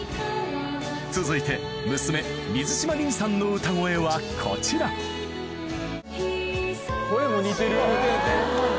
続いて娘水嶋凜さんの歌声はこちら声も似てる。